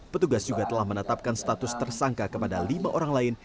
petugas juga telah menetapkan status tersangka kepada lima orang lain